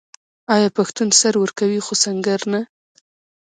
آیا پښتون سر ورکوي خو سنګر نه؟